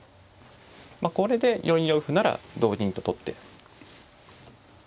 まあこれで４四歩なら同銀と取って。